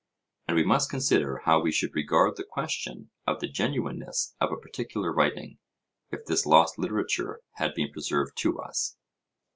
And we must consider how we should regard the question of the genuineness of a particular writing, if this lost literature had been preserved to us.